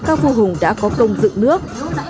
các phu hùng đã có công dựng nước